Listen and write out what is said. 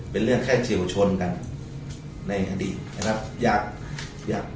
เป็นเรื่องแค่เฉียวชนกันในคดีนะครับ